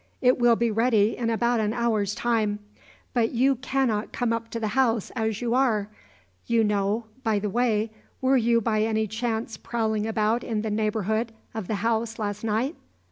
It will be ready in about an hour's time. But you cannot come up to the house as you are, you know by the way, were you by any chance prowling about in the neighbourhood of the house last night?"